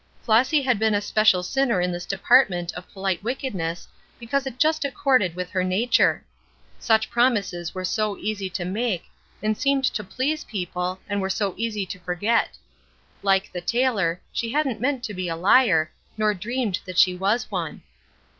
Flossy had been a special sinner in this department of polite wickedness because it just accorded with her nature; such promises were so easy to make, and seemed to please people, and were so easy to forget. Like the tailor, she hadn't meant to be a liar, nor dreamed that she was one.